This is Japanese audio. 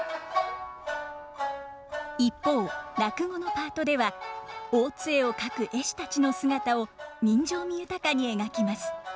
一方落語のパートでは大津絵を描く絵師たちの姿を人情味豊かに描きます。